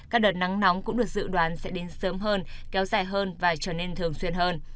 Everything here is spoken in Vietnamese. các đợt nắng nóng cũng được dự đoán sẽ đến sớm hơn kéo dài hơn và trở nên thường xuyên hơn